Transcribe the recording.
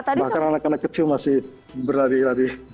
bahkan anak anak kecil masih berlari lari